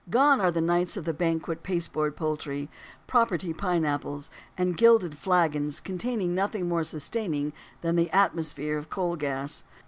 Gone are the nights of the banquet of pasteboard poultry, "property" pine apples, and gilded flagons containing nothing more sustaining than the atmosphere of coal gas.